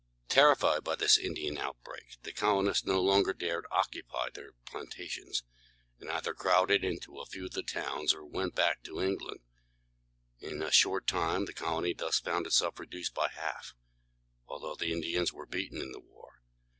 Terrified by this Indian outbreak, the colonists no longer dared occupy their plantations, and either crowded into a few of the towns or went back to England. In a short time the colony thus found itself reduced by half, although the Indians were beaten in the war.